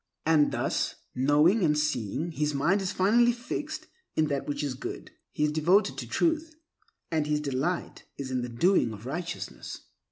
And thus, knowing and seeing, his mind is finally fixed in that which is good. He is devoted to Truth, and his delight is in the doing of righteousness.